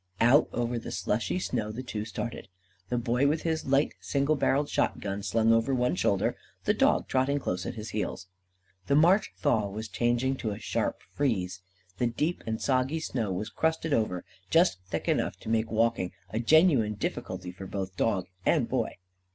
Out over the slushy snow the two started, the Boy with his light single barrelled shotgun slung over one shoulder, the dog trotting close at his heels. The March thaw was changing to a sharp freeze. The deep and soggy snow was crusted over, just thick enough to make walking a genuine difficulty for both dog and Boy.